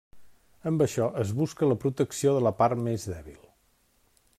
Amb això es busca la protecció de la part més dèbil.